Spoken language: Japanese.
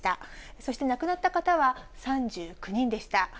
そして亡くなった方は３９人でした。